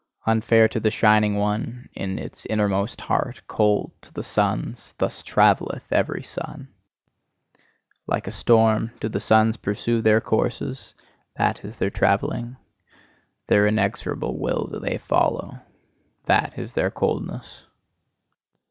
Unfair to the shining one in its innermost heart, cold to the suns: thus travelleth every sun. Like a storm do the suns pursue their courses: that is their travelling. Their inexorable will do they follow: that is their coldness.